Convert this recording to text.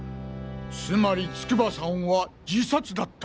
つまり筑波さんは自殺だった。